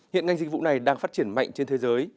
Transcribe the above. hiện ngành dịch vụ này đang phát triển mạnh trên thế giới